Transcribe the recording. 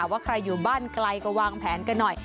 ว่าใครอยู่บ้านไกลก็วางแผนกันหน่อย